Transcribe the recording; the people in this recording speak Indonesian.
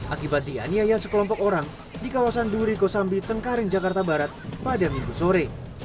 akibat dianiaya sekelompok orang di kawasan duriko sambi cengkaring jakarta barat pada minggu sore